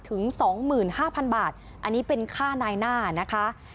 ถึงสองหมื่นห้าพันอันนี้เป็นค่านายหน้านะคะ